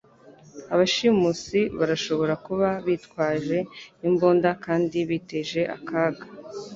Abashimusi barashobora kuba bitwaje imbunda kandi biteje akaga